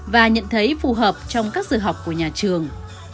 và nhận thấy phù hợp trong các sự học của nhà trường